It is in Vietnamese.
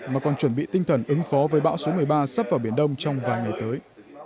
mà còn chuẩn bị tinh thần ứng phó với bão số một mươi ba sắp vào biển đông trong vài ngày tới